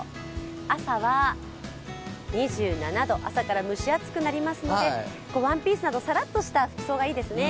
朝は２７度、朝から蒸し暑くなりますので、ワンピースなど、サラッとした服装がいいですね。